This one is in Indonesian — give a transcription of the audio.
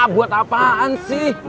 buat apaan sih